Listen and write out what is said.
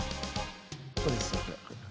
ここですねこれ。